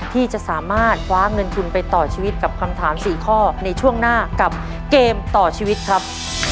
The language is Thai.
ที่จะสามารถคว้าเงินทุนไปต่อชีวิตกับคำถาม๔ข้อในช่วงหน้ากับเกมต่อชีวิตครับ